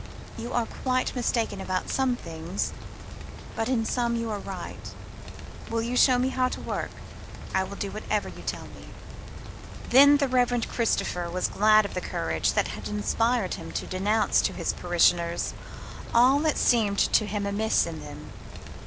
You are quite mistaken about some things but in some you are right. Will you show me how to work? I will do whatever you tell me." Then the Reverend Christopher was glad of the courage that had inspired him to denounce to his parishioners all that seemed to him amiss in them.